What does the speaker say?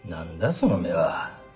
その目は。